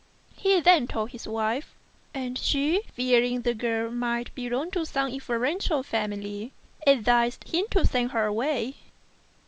He then told his wife, and she, fearing the girl might belong to some influential family, advised him to send her away.